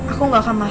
aku gak akan mahu